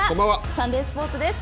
サンデースポーツです。